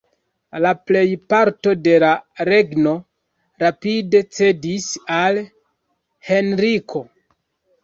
La plejparto de la regno rapide cedis al Henriko.